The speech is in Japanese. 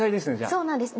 そうなんです。